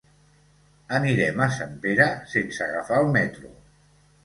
Anirem a Sempere sense agafar el metro.